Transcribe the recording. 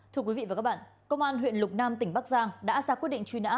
thưa quý vị và các bạn công an huyện lục nam tỉnh bắc giang đã ra quyết định truy nã